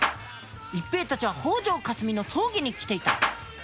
一平たちは北條かすみの葬儀に来ていた。